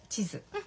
うん。